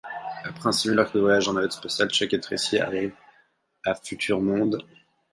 Après un simulacre de voyage en navette spatiale, Chuck et Tracy arrivent à Future-Monde.